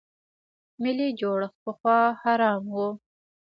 ملي جوړښت پخوا حرام و.